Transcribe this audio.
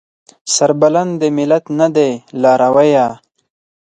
سربلند دې ملت نه دی لارويه